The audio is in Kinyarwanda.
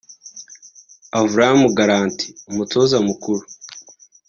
Avram Grant (Umutoza mukuru)